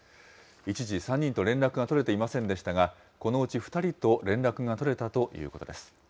一時３人と連絡が取れていませんでしたが、このうち２人と連絡が取れたということです。